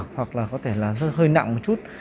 hoặc là có thể là hơi nặng một chút